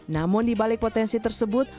namun dibalik potensi tersebut